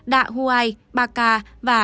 đạ huay ba ca